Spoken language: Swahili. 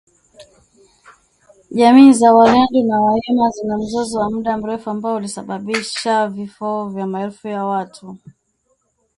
Jamii za walendu na wahema zina mzozo wa muda mrefu ambao ulisababisha vifo vya maelfu ya watu.